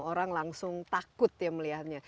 orang langsung takut ya melihatnya